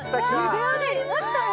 ゆで上がりましたよ。